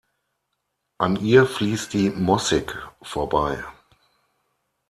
An ihr fließt die Mossig vorbei.